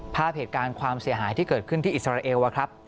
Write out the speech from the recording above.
ภาพเหตุการณ์ความเสียหายที่เกิดขึ้นที่อิสราเอลครับ